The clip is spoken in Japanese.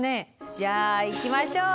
じゃあいきましょう。